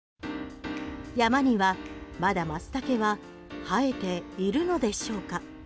山にはまだマツタケは生えているのでしょうか？